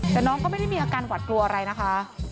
แต่น้องก็ไม่ได้มีอาการหวัดกลัวอะไรนะคะ